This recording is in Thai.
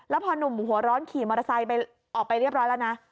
แล้วพอหนุ่มหัวร้อนขี่มอเตอร์ไซค์ออกไปเรียบร้อยแล้วนะ